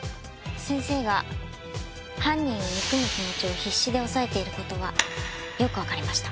先生が犯人を憎む気持ちを必死で抑えている事はよくわかりました。